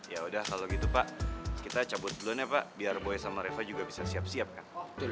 ya udah kalau gitu pak kita cabut belon ya pak biar boy sama reva juga bisa siap siap kan